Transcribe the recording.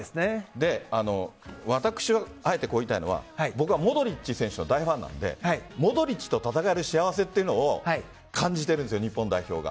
私はあえて言いたいのはモドリッチ選手の大ファンなのでモドリッチと戦える幸せというのを感じているんです日本代表が。